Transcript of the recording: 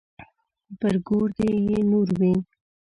پر ګور دې يې نور وي.